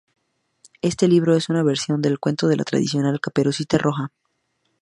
Este libro es una versión del cuento tradicional de la Caperucita Roja.